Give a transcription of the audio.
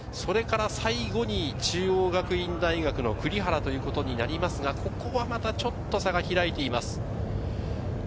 最後に中央学院大学の栗原ということになりますが、ここはまたちょっと差が開いています。